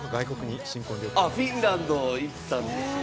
フィンランドに行ったんですよ。